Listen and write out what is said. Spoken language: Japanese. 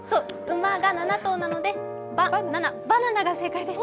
馬が７頭なのでバナナが正解でした。